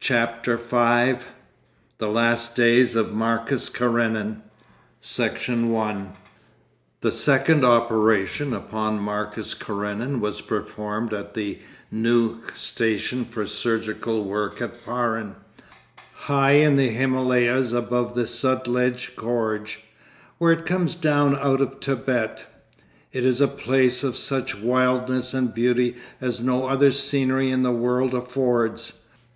CHAPTER THE FIFTH THE LAST DAYS OF MARCUS KARENIN Section 1 The second operation upon Marcus Karenin was performed at the new station for surgical work at Paran, high in the Himalayas above the Sutlej Gorge, where it comes down out of Thibet. It is a place of such wildness and beauty as no other scenery in the world affords.